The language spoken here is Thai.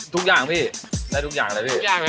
ทุกอย่างพี่ได้ทุกอย่างเลยพี่